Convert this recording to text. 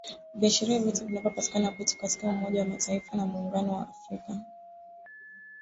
Viashiria vyote vinavyopatikana kwetu katika umoja wa Mataifa na muungano wa Afrika.